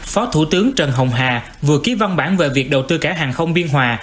phó thủ tướng trần hồng hà vừa ký văn bản về việc đầu tư cảng hàng không biên hòa